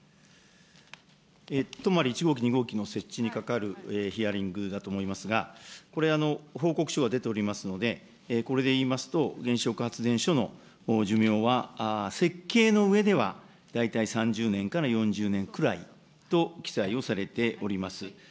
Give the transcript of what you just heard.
泊１号機、２号機の設置にかかるヒアリングだと思いますが、これ、報告書が出ておりますので、これでいいますと、原子力発電所の寿命は設計の上では、大体３０年から４０年くらいと記載をされております。